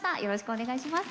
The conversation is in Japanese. お願いします。